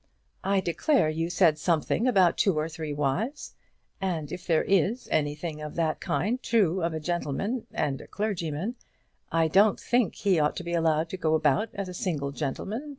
"I declare you said something about two or three wives; and if there is anything of that kind true of a gentleman and a clergyman, I don't think he ought to be allowed to go about as a single gentleman.